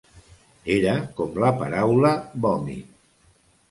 Era com la paraula vòmit.